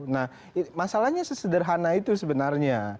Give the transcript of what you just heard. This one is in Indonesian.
nah masalahnya sesederhana itu sebenarnya